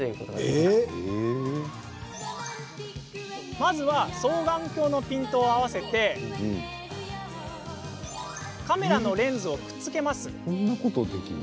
まずは双眼鏡のピントを合わせてカメラのレンズをくっつけます。